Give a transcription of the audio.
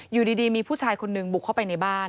อยู่ดีมีผู้ชายคนหนึ่งบุกเข้าไปในบ้าน